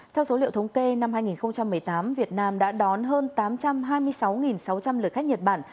theo số liệu thống kê năm hai nghìn một mươi tám việt nam đã đón hơn tám trăm hai mươi sáu sáu trăm linh lượt khách nhật bản